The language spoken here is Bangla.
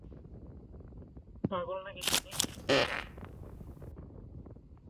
পাগল না কি তুমি?